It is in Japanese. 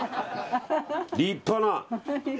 立派な。